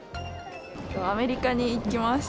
アメリカに行きます。